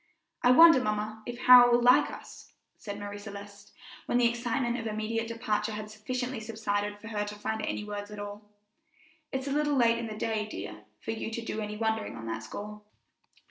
"I wonder, mamma, if Harold will like us?" said Marie Celeste, when the excitement of immediate departure had sufficiently subsided for her to find any words at all. "It's a little late in the day, dear, for you to do any wondering on that score."